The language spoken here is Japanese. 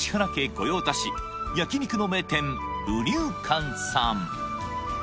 御用達焼肉の名店友琉館さん